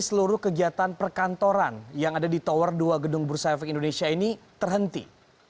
seluruh kegiatan perkantoran yang ada di tower dua gedung bursa efek indonesia ini terhenti